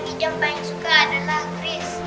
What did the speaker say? bajunya yang paling suka adalah chris